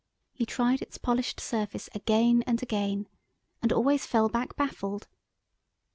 He tried its polished surface again and again, and always fell back baffled.